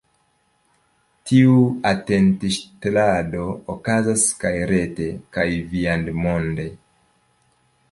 Tiu atentŝtelado okazas kaj rete, kaj viandmonde.